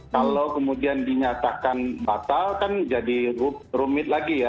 kalau kemudian dinyatakan batal kan jadi rumit lagi ya